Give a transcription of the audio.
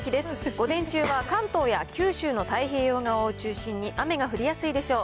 午前中は関東や九州の太平洋側を中心に雨が降りやすいでしょう。